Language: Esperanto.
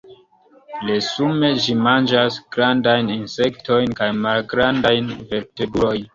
Resume ĝi manĝas grandajn insektojn kaj malgrandajn vertebrulojn.